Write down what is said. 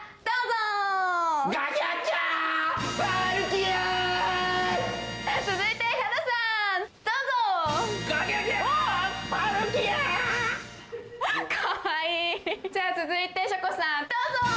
どうぞ！